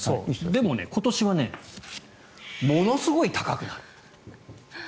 でも、今年はものすごい高くなる。